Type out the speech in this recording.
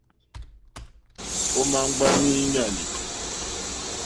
Ò ma ŋgba miinyali?